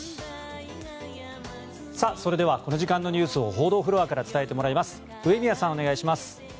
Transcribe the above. それではこの時間のニュースを報道フロアから伝えてもらいます上宮さん、お願いします。